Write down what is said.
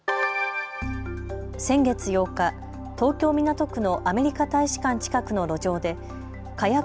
先月８日、東京港区のアメリカ大使館近くの路上で火薬